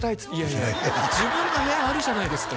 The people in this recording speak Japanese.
「いやいや自分の部屋あるじゃないですか」